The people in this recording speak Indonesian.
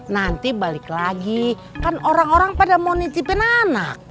nanti balik lagi kan orang orang pada mau nitipin anak